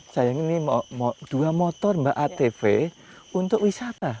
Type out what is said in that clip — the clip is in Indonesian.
saya ini dua motor mbak atv untuk wisata